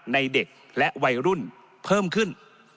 เด็กและวัยรุ่นเพิ่มขึ้น